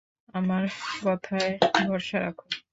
আমার কথায় ভরসা রাখো।